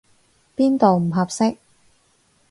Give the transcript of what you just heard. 邊度唔合適？